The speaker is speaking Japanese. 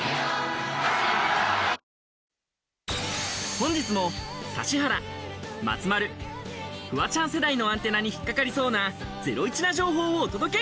本日も指原、松丸、フワちゃん世代のアンテナに引っ掛かりそうなゼロイチな情報をお届け！